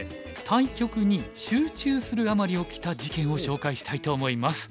対局に集中するあまり起きた事件を紹介したいと思います。